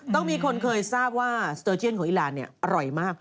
ต้องมีคนเคยทราบว่าสเตอร์เชียนของอีรานอร่อยมาก